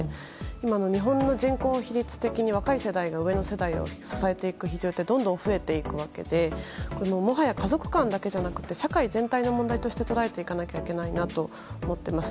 今、日本の人口比率的に若い世代が上の世代を支えていく比重ってどんどん増えていくわけでもはや家族間だけじゃなくて社会全体の問題として捉えていかなきゃいけないなと思っています。